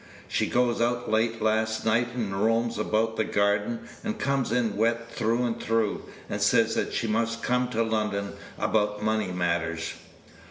She goes out late last night, and roams about the garden, and comes in wet through and through, and say she must come to London about money matters.